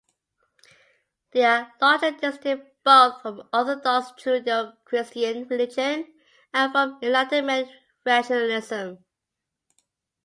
They are largely distinct both from orthodox Judeo-Christian religion and from Enlightenment rationalism.